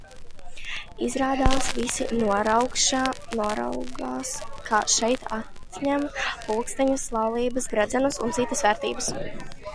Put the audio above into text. Izrādās, visi noraugās kā šeit atņem pulksteņus, laulības gredzenus, un citas vērtības.